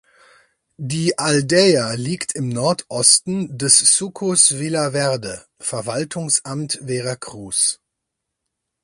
Die Aldeia liegt im Nordosten des Sucos Vila Verde (Verwaltungsamt Vera Cruz).